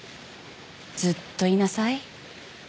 ずっといなさい。